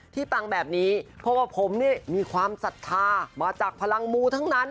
ปังแบบนี้เพราะว่าผมนี่มีความศรัทธามาจากพลังมูทั้งนั้น